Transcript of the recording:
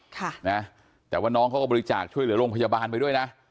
ค่ะนะแต่ว่าน้องเขาก็บริจาคช่วยเหลือโรงพยาบาลไปด้วยนะ